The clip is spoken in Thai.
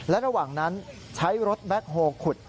และระหว่างนั้นใช้รถแบ็คโฮลขุด